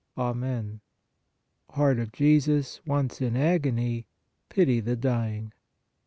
Amen. Heart of Jesus, once in agony, pity the dying."